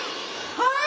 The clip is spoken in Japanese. はい！